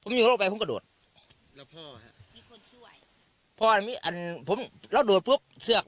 มันก็พ่าเองเสื่อออก